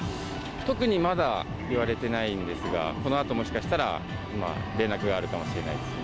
特にまだ言われてないんですが、このあともしかしたら連絡があるかもしれないですね。